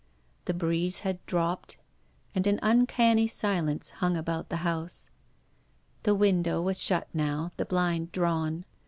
The breeze had dropped. An uncanny silence hung about the house. The window was shut now, the blind drawn.